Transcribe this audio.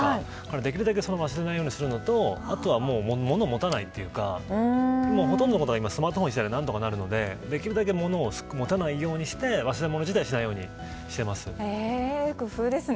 できるだけ忘れないようにするのとあとはものを持たないというかほとんどの方がスマートフォン１台持てば何とかなるのでできるだけものを持たないようにして忘れ物をしないようにしています。